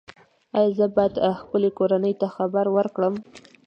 ایا زه باید خپلې کورنۍ ته خبر ورکړم؟